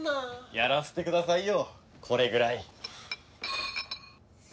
やらせてくださいよこれぐらい。